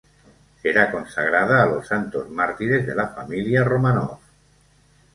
Será consagrada a los santos mártires de la familia Románov.